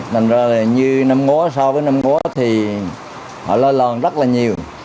thành ra là như năm ngó so với năm ngó thì họ lo lòn rất là nhiều